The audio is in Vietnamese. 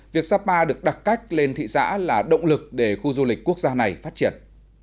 việc sapa được đặt cách lên thị xã là động lực để khu du lịch quốc gia này phát triển